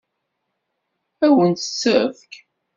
Ad wen-tt-tefk?